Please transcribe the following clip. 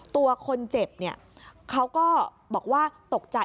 ตัวคนเจ็บเขาก็บอกว่าตกใจ